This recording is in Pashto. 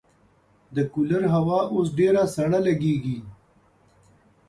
د کولر هوا اوس ډېره سړه لګېږي.